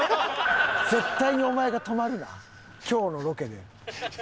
絶対にお前が止まるな今日のロケで。